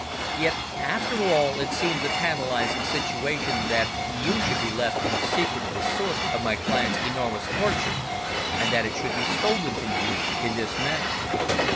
Yet, after all, it seems a tantalising situation that you should be left the secret of the source of my client's enormous fortune, and that it should be stolen from you in this manner."